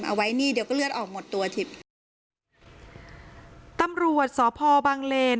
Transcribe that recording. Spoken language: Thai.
เอาไว้นี่เดี๋ยวก็เลือดออกหมดตัวถิบตำรวจสพบังเลน